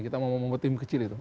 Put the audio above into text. kita mau ngomong tim kecil itu